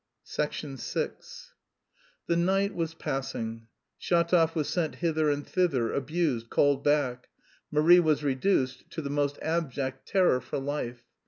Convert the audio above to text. VI The night was passing. Shatov was sent hither and thither, abused, called back. Marie was reduced to the most abject terror for life.